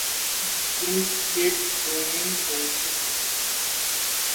তিনি কেপ রঙিন বংশোদ্ভূত।।